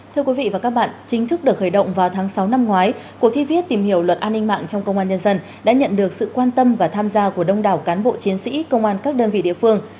thưa quý vị và các bạn chính thức được khởi động vào tháng sáu năm ngoái cuộc thi viết tìm hiểu luật an ninh mạng trong công an nhân dân đã nhận được sự quan tâm và tham gia của đông đảo cán bộ chiến sĩ công an các đơn vị địa phương